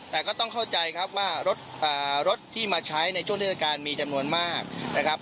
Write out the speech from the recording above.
แต่ก็ต้องเข้าใจครับว่ารถที่มาใช้ในช่วงเทศกาลมีจำนวนมากนะครับ